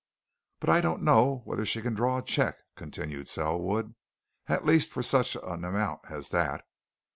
"But I don't know whether she can draw a cheque," continued Selwood. "At least, for such an amount as that.